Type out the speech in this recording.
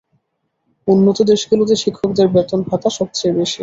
উন্নত দেশগুলোতে শিক্ষকদের বেতন ভাতা সবচেয়ে বেশি।